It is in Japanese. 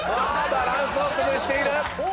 バランスを崩している。